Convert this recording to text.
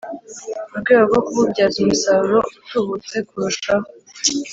mu rwego rwo kububyaza umusaruro utubutse kurushaho